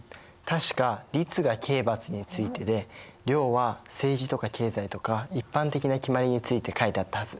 確か「律」が刑罰についてで「令」は政治とか経済とか一般的な決まりについて書いてあったはず。